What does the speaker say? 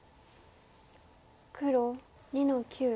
黒２の九。